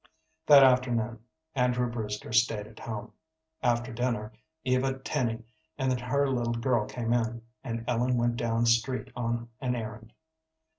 That afternoon Andrew Brewster stayed at home. After dinner Eva Tenny and her little girl came in, and Ellen went down street on an errand.